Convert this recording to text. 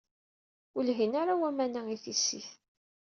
Ur lhin ara waman-a i tissit.